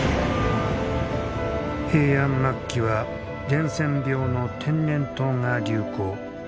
平安末期は伝染病の天然痘が流行。